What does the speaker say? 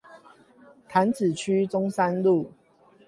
潭子區中山路